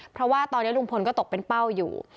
เพราะว่าตอนนี้ลุงพลก็ตกเป็นเป้าอยู่